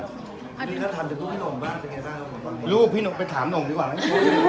อันนี้ถ้าถามถึงพี่หนุ่มบ้างจะยังไงบ้างลูกพี่หนุ่มไปถามหนุ่มดีกว่าไหม